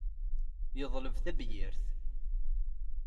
Yeḍleb tabyirt.